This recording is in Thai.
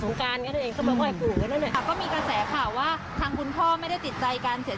ก็ไม่ต้องอดเรื่องสูงการหนึ่งเนี่ยก็เพราะว่าให้ผู้หญิงกันและ